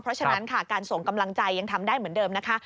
เพราะฉะนั้นค่ะการส่งกำลังใจยังทำได้เหมือนเดิมนะคะ